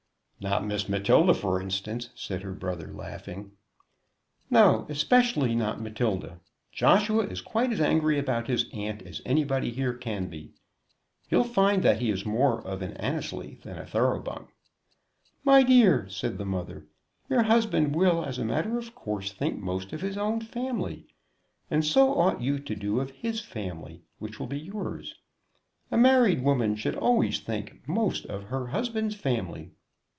"Not Miss Matilda, for instance," said her brother, laughing. "No, especially not Matilda. Joshua is quite as angry about his aunt as anybody here can be. You'll find that he is more of an Annesley than a Thoroughbung." "My dear," said the mother, "your husband will, as a matter of course, think most of his own family. And so ought you to do of his family, which will be yours. A married woman should always think most of her husband's family."